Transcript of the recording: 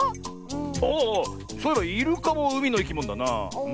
ああっそういえばイルカもうみのいきものだな。